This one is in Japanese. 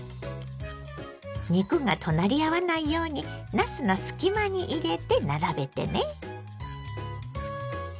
肉が隣り合わないようになすの隙間に入れて並べてね。